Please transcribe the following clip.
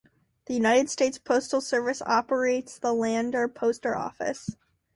The United States Postal Service operates the Lander Post Office.